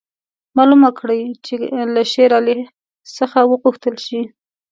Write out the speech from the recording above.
معلومه کړي چې که له شېر علي څخه وغوښتل شي.